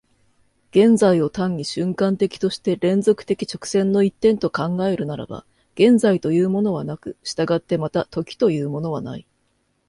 現在を単に瞬間的として連続的直線の一点と考えるならば、現在というものはなく、従ってまた時というものはない。